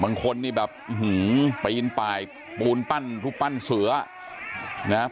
บางคนนี่แบบปีนป่ายปูนปั้นรูปปั้นเสือนะครับ